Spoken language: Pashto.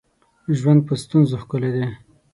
ژوند په ستونزو ښکلی دی